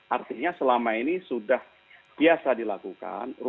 artinya selama ini sudah biasa dilakukan